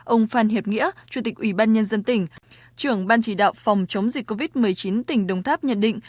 ông phan hiệp nghĩa chủ tịch ủy ban nhân dân tỉnh trưởng ban chỉ đạo phòng chống dịch covid một mươi chín tỉnh đồng tháp nhận định